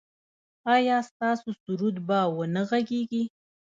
ایا ستاسو سرود به و نه غږیږي؟